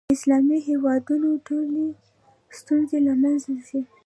د اسلامي هېوادونو ټولې ستونزې له منځه ځي.